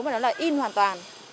mà nó là in hoàn toàn